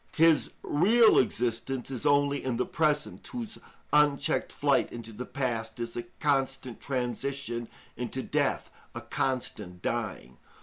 His real existence is only in the present, whose unchecked flight into the past is a constant transition into death, a constant dying.